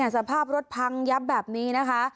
สภาพรถพังยับแบบนี้นะคะ